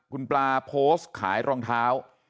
คุณปลาโพสต์ขายรองเท้า